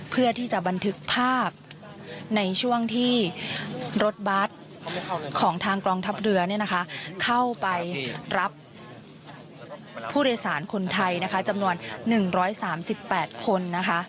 เพื่อที่จะบันทึกภาพในช่วงที่รถบัตรของทางกองทัพเรือเข้าไปรับผู้โดยสารคนไทยนะคะจำนวน๑๓๘คนนะคะ